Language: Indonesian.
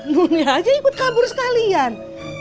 bumi aja ikut kabur sekalian